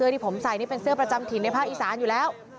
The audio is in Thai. ที่ผมใส่นี่เป็นเสื้อประจำถิ่นในภาคอีสานอยู่แล้ว